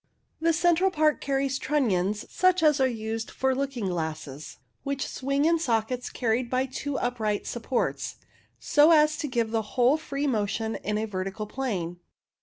The central part carries trunnions, such as are used for looking glasses, which swing in sockets carried by two upright supports, so as to give the whole free motion in a vertical plane.